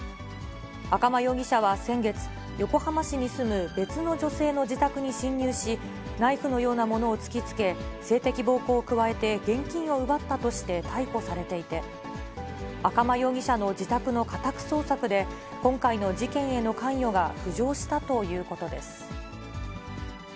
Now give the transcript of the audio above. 赤間容疑者は先月、横浜市に住む別の女性の自宅に侵入し、ナイフのようなものを突きつけ、性的暴行を加えて現金を奪ったとして、逮捕されていて、赤間容疑者の自宅の家宅捜索で、今回の事件への関与が浮上したということです。